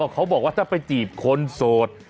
เขาบอกว่าถ้าไปจีบคนโสด